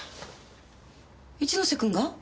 一ノ瀬くんが？